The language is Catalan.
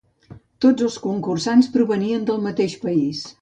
Tots els concursants provenien del mateix país.